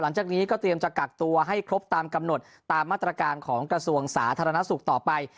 หลังจากนี้ก็เตรียมจะกักตัวให้ครบตามกำหนดตามมาตรการของกระทรวงสาธารณสุขต่อไป